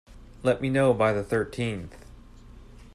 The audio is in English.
Let me know by the thirteenth.